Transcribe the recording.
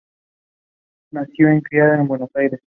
Nacido y criado en Buenos Aires.